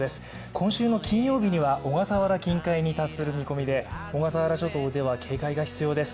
今週の金曜日には小笠原近海に達する見込みで小笠原諸島では警戒が必要です。